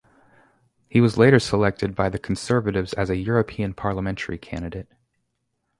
He was later selected by the Conservatives as a European parliamentary candidate.